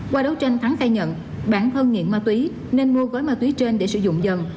qua đấu tranh thắng khai nhận bản thân nghiện ma túy nên mua gói ma túy trên để sử dụng dần